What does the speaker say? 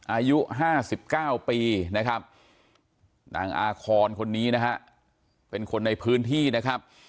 อายุ๕๙ปีนะครับนางอาคอนคนนี้นะฮะเป็นคนในพื้นที่นะครับ